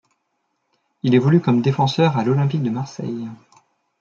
Il évolue comme défenseur à l'Olympique de Marseille.